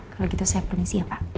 kalau gitu saya permisi ya pak